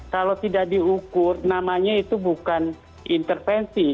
kalau tidak diukur namanya itu bukan intervensi